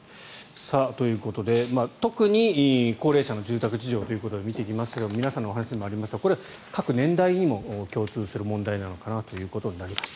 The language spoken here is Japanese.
ということで特に高齢者の住宅事情ということで見てきましたけれども皆さんのお話にもありましたこれ、各年代にも共通する問題なのかなということになります。